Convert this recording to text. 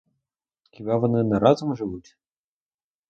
Хіба вони не разом живуть?